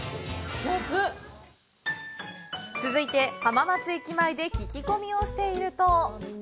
続いて、浜松駅前で聞き込みをしていると。